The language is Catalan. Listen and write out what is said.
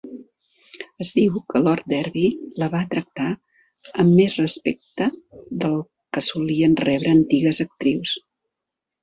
Es diu que Lord Derby la va tractar amb més respecte del que solien rebre antigues actrius.